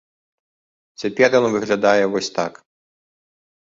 Цяпер ён выглядае вось так.